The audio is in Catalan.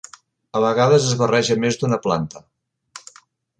A vegades es barreja més d'una planta.